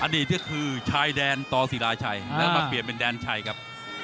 อดีตก็คือชายแดนต่อศิราชัยแล้วมาเปลี่ยนเป็นแดนชัยครับ